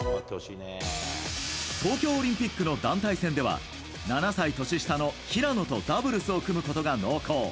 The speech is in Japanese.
東京オリンピックの団体戦では７歳年下の平野とダブルスを組むことが濃厚。